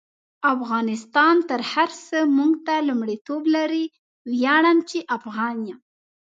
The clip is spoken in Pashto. افغانستان تر هر سه مونږ ته لمړیتوب لري: ویاړم چی افغان يم